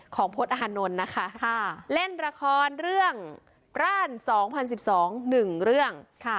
ของพลตอาหารนท์นะคะค่ะเล่นละครเรื่องปร้านสองพันสิบสองหนึ่งเรื่องค่ะ